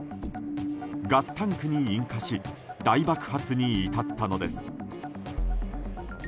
ガスタンクに引火し大爆発に至ったのです。